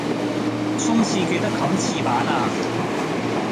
沖廁記得冚廁板呀